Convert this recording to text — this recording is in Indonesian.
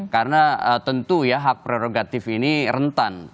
karena tentu ya hak prerogatif ini rentan